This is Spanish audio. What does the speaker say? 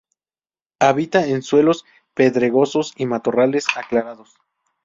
Habita en suelos pedregosos y matorrales aclarados.